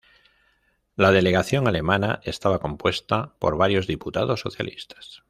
La delegación alemana estaba compuesta por varios diputados socialistas.